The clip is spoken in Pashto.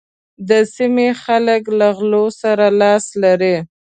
د سيمې خلک له غلو سره لاس لري.